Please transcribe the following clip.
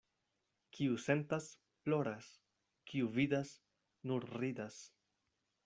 Kiu sentas — ploras, kiu vidas — nur ridas.